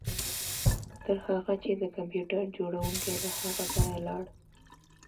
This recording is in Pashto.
تر هغه چې د کمپیوټر جوړونکی له هغه ځایه لاړ